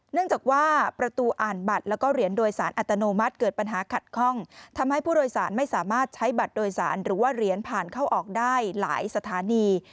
เนื่องจากว่าประตูอ่านบัตรแล้วก็เหรียญโดยสารอัตโนมัติเกิดปัญหาขัดข้องทำให้ผู้โดยสารไม่สามารถใช้บัตรโดยสารหรือว่าเหรียญผ่านเข้าออกได้หลายสถานี